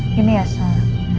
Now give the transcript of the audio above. gini ya sah